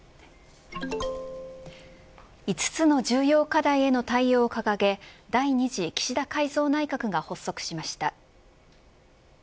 ５つの重要課題への対応を掲げ第２次岸田改造内閣が発足しました。